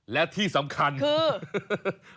และที่สำคัญคือ